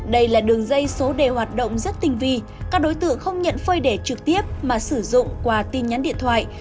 đây là đường dây số đề hoạt động rất tinh vi các đối tượng không nhận phơi đề trực tiếp mà sử dụng qua tin nhắn điện thoại